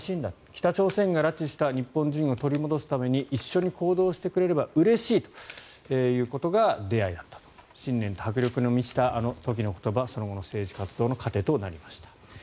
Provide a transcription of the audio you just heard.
北朝鮮が拉致した日本人を取り戻すために一緒に行動してくれればうれしいということが出会いだった信念と迫力に満ちたあの時の言葉はその後の政治活動の糧となりました。